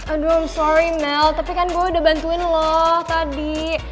aduh i'm sorry mel tapi kan gue udah bantuin lo tadi